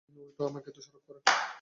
কারণ তিনি উল্টো আমাকেই দোষারোপ করেন।